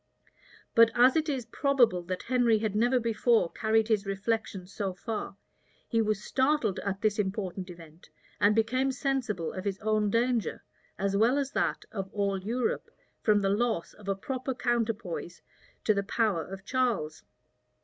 But as it is probable that Henry had never before carried his reflections so far, he was startled at this important event, and became sensible of his own danger, as well as that of all Europe, from the loss of a proper counterpoise to the power of Charles.